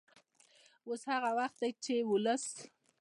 اوس هغه وخت دی چې ولس